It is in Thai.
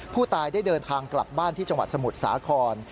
ผู้ตายได้เดินทางกลับบ้านที่จังหวัดสมุทรสาคร